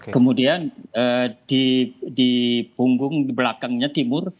kemudian di punggung di belakangnya timur